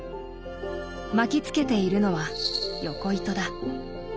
巻きつけているのは緯糸だ。